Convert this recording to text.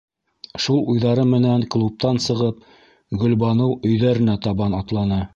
Шул уйҙары менән клубтан сығып, Гөлбаныу өйҙәренә табан атланы.